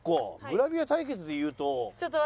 グラビア対決でいうと。